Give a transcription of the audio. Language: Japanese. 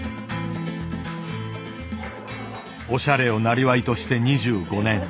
おしゃれを生業として２５年。